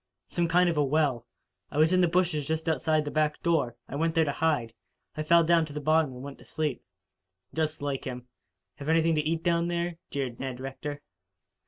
"Some kind of a well. It was in the bushes just outside the back door. I went there to hide. I fell down to the bottom and went to sleep." "Just like him. Have anything to eat down there?" jeered Ned Rector.